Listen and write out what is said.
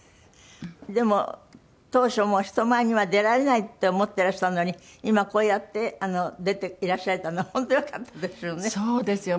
でも当初もう人前には出られないって思ってらしたのに今こうやって出ていらっしゃれたのは本当よかったですよね。